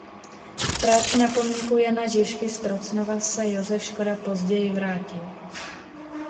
K práci na pomníku Jana Žižky z Trocnova se Josef Škoda později vrátil.